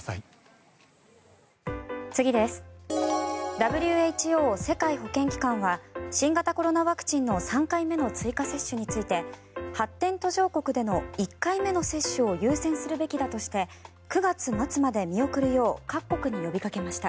ＷＨＯ・世界保健機関は新型コロナワクチンの３回目の追加接種について発展途上国での１回目の接種を優先するべきだとして９月末まで見送るよう各国に呼びかけました。